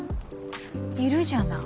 いるじゃない。